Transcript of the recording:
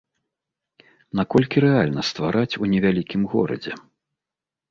Наколькі рэальна ствараць у невялікім горадзе?